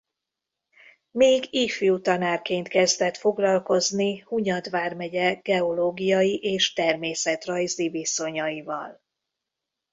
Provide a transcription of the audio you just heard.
Még ifjú tanárként kezdett foglalkozni Hunyad vármegye geológiai és természetrajzi viszonyaival.